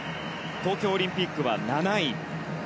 東京オリンピックは７位。